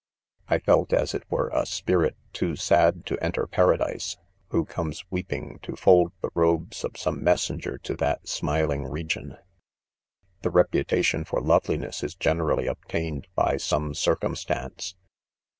'I felt, as it were, a spirit too sad to enter paradise^ who comes weeping to fold the robes of some messenger to that smiling region. f'\ The reputation for loveliness is' generally [ obtained by some circumstance.